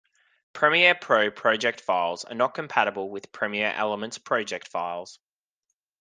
Premiere Pro project files are not compatible with Premiere Elements projects files.